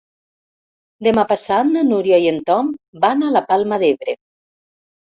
Demà passat na Núria i en Tom van a la Palma d'Ebre.